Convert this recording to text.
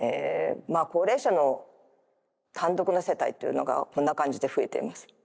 高齢者の単独の世帯というのがこんな感じで増えています。